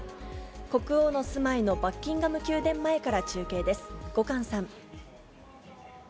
国王の住まいのバッキンガム宮殿前から中継です。